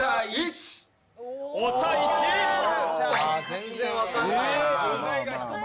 全然分かんないな。